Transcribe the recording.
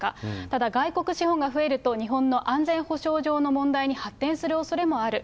ただ外国資本が増えると、日本の安全保障上の問題に発展するおそれもある。